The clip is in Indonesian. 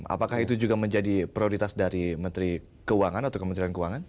apakah itu juga menjadi prioritas dari menteri keuangan atau kementerian keuangan